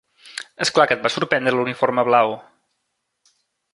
És clar que et va sorprendre l'uniforme blau.